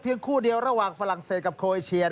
คู่เดียวระหว่างฝรั่งเศสกับโคเอเชีย